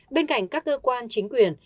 bên cạnh các cơ quan chính quyền